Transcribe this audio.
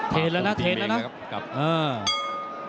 เทนแล้วนะเทนแล้วนะ